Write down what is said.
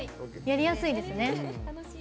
やりやすいですね。